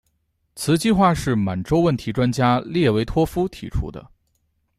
此计划是满洲问题专家列维托夫提出的。